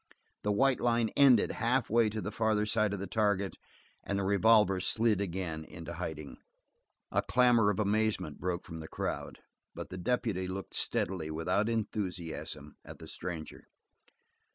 The white line ended half way to the farther side of the target, and the revolver slid again into hiding. A clamor of amazement broke from the crowd, but the deputy looked steadily, without enthusiasm, at the stranger.